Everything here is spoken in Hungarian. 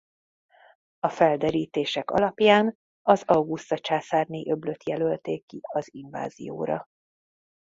A felderítések alapján az Auguszta császárné-öblöt jelölték ki az invázióra.